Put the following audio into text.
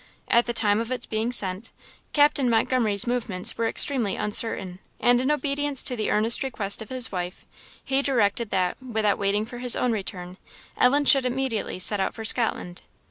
At the time of its being sent, Captain Montgomery's movements were extremely uncertain; and, in obedience to the earnest request of his wife, he directed that, without waiting for his own return, Ellen should immediately set out for Scotland.